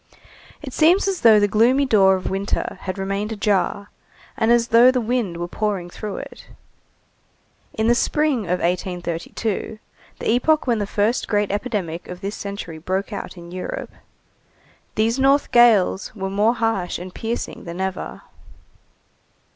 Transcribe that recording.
It seems as though the gloomy door of winter had remained ajar, and as though the wind were pouring through it. In the spring of 1832, the epoch when the first great epidemic of this century broke out in Europe, these north gales were more harsh and piercing than ever.